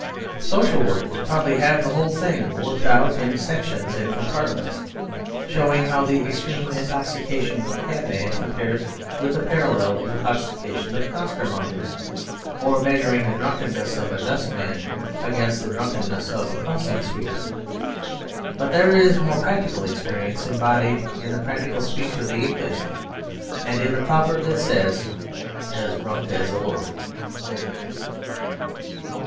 Social workers probably have the whole thing worked out in sections and compartments, showing how the extreme intoxication of cabmen compares with the parallel intoxication of costermongers; or measuring the drunkenness of a dustman against the drunkenness of a crossing sweeper. But there is more practical experience embodied in the practical speech of the English; and in the proverb that says 'as drunk as a lord.'